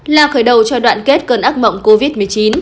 là khởi đầu cho đoạn kết cơn ác mộng covid một mươi chín